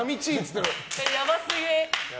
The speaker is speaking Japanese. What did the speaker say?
やばすぎ。